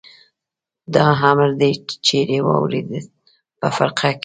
دا امر دې چېرې واورېد؟ په فرقه کې.